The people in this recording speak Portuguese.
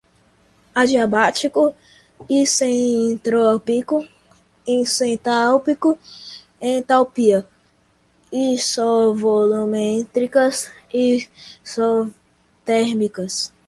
adiabático, isentrópico, isentálpico, entalpia, isovolumétricas-isotérmicas